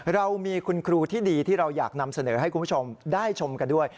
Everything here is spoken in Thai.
เรามีคุณครูที่ดีที่เราอยากนำเสนอให้คุณผู้ชมได้ชมกันด้วย